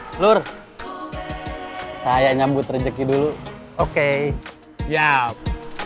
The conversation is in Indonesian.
hai lur saya nyambut rezeki dulu oke siap